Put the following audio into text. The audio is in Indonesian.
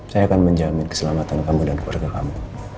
saya akan menjamin keselamatan kamu dan keluarga kamu